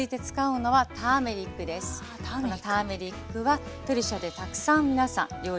このターメリックはペルシャでたくさん皆さん料理に使います。